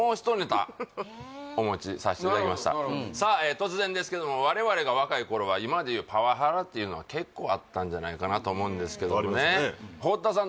突然ですけども我々が若い頃は今でいうパワハラっていうのは結構あったんじゃないかなと思うんですけどもねありましたね